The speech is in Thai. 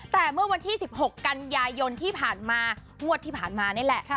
แต่เมื่อวันที่๑๖กันยายนที่ผ่านมางวดที่ผ่านมานี่แหละ